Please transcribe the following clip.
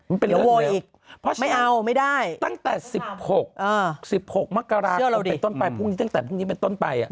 มันเป็นเรื่องมวยอีกเพราะฉะนั้นไม่เอาไม่ได้ตั้งแต่๑๖๑๖มกราคมเป็นต้นไปพรุ่งนี้ตั้งแต่พรุ่งนี้เป็นต้นไป